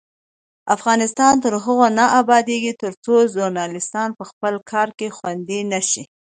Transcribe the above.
افغانستان تر هغو نه ابادیږي، ترڅو ژورنالیستان په خپل کار کې خوندي نشي.